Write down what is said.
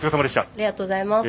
ありがとうございます。